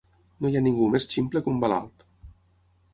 No hi ha ningú més ximple que un malalt.